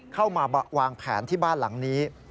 เข้ามาวางแผนที่บ้านหลังนี้